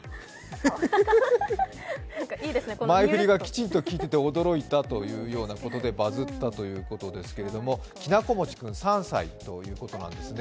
前振りがきちんと効いてて、驚いたということで、バズったということですけれどもきなこもち君、３歳ということなんですね。